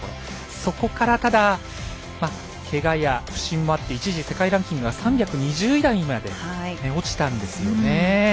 そこからただ、けがや不振もあり一時、世界ランキングが３２０位台にまで落ちたんですよね。